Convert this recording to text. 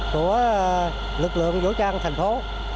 của lực lượng vũ trang thành phố